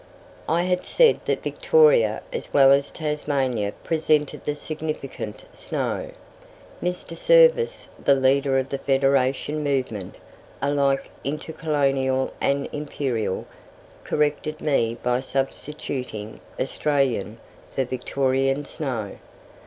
I had said that Victoria as well as Tasmania presented the significant snow. Mr. Service, the leader of the federation movement, alike intercolonial and imperial, corrected me by substituting Australian for Victorian snow.